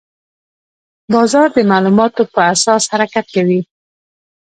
بازار د معلوماتو په اساس حرکت کوي.